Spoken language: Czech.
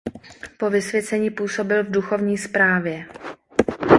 Po vysvěcení působil v duchovní správě.